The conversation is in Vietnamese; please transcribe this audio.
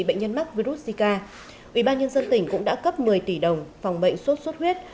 bệnh nhân mắc virus zika ubnd tỉnh cũng đã cấp một mươi tỷ đồng phòng bệnh suốt suốt huyết